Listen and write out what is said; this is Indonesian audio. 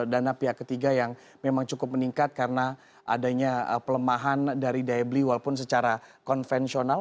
dana pihak ketiga yang memang cukup meningkat karena adanya pelemahan dari daya beli walaupun secara konvensional